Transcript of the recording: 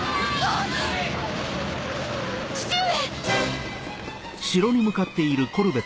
父上！